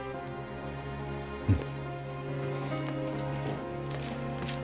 うん。